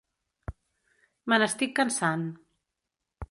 Me n'estic cansant.